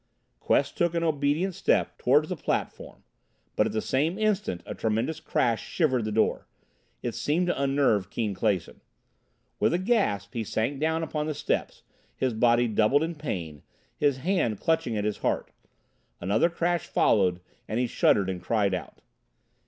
Quest took an obedient step toward the platform. But at the same instant a tremendous crash shivered the door. It seemed to unnerve Keane Clason. With a gasp he sank down upon the steps, his body doubled in pain, his hand clutching at his heart. Another crash followed, and he shuddered and cried out.